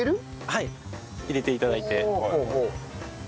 はい入れて頂いて。